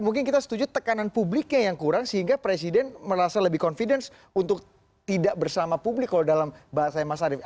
mungkin kita setuju tekanan publiknya yang kurang sehingga presiden merasa lebih confidence untuk tidak bersama publik kalau dalam bahasa mas arief